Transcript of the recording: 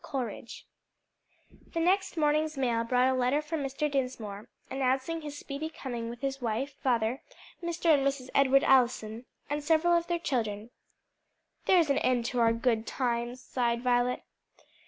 Coleridge. The next morning's mail brought a letter from Mr. Dinsmore, announcing his speedy coming with his wife, father, Mr. and Mrs. Edward Allison, and several of their children. "There's an end to our good times!" sighed Violet.